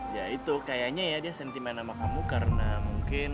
ya itu kayaknya ya dia sentimen sama kamu karena mungkin